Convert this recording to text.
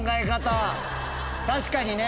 確かにね。